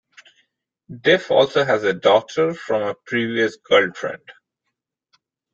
Dif also has a daughter from a previous girlfriend.